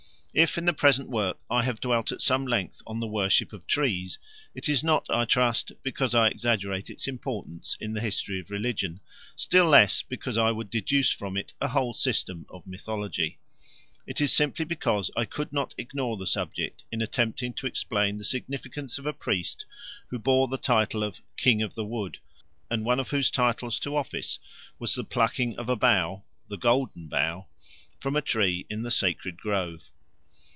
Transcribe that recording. If in the present work I have dwelt at some length on the worship of trees, it is not, I trust, because I exaggerate its importance in the history of religion, still less because I would deduce from it a whole system of mythology; it is simply because I could not ignore the subject in attempting to explain the significance of a priest who bore the title of King of the Wood, and one of whose titles to office was the plucking of a bough the Golden Bough from a tree in the sacred grove.